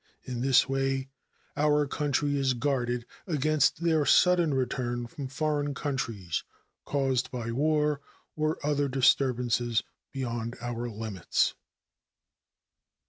In this way our country is guarded against their sudden return from foreign countries, caused by war or other disturbances beyond our limits.